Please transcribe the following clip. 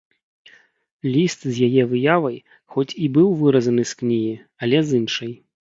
Ліст з яе выявай хоць і быў выразаны з кнігі, але з іншай.